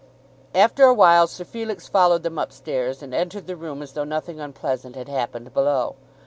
After a while Sir Felix followed them up stairs, and entered the room as though nothing unpleasant had happened below.